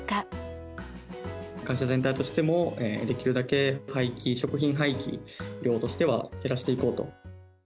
会社全体としても、できるだけ廃棄、食品廃棄量としては減らしていこうと。